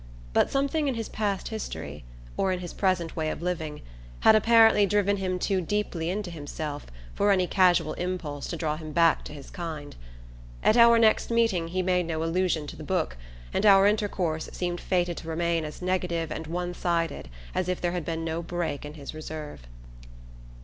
But something in his past history, or in his present way of living, had apparently driven him too deeply into himself for any casual impulse to draw him back to his kind. At our next meeting he made no allusion to the book, and our intercourse seemed fated to remain as negative and one sided as if there had been no break in his reserve.